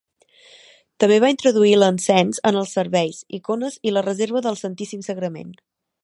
També va introduir l'encens en els serveis, icones i la Reserva del Santíssim Sagrament.